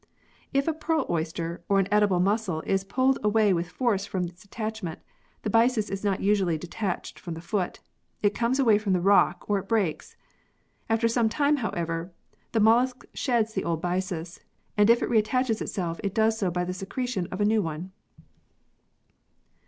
If a pearl oyster or an edible mussel is pulled away with force from its attachment, the byssus is not usually detached from the foot. It comes away from the rock or it breaks. After some time, how ever, the mollusc sheds the old byssus, and if it re attaches itself it does so by the secretion of a new one.